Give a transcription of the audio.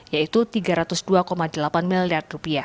yaitu rp tiga ratus dua delapan miliar